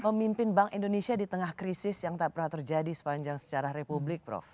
pemimpin bank indonesia di tengah krisis yang tak pernah terjadi sepanjang sejarah republik